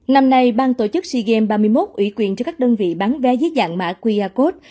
năm nay bang tổ chức sea games ba mươi một ủy quyền cho các đơn vị bán vé dưới dạng mã qr code